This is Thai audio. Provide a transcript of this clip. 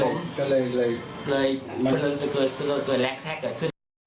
ก็เลยเกิดแลกแท็ก